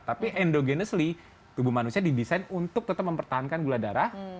tapi endogenesly tubuh manusia didesain untuk tetap mempertahankan gula darah